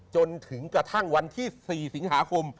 จนถึงกระทั่งวันที่๔สิงหาคม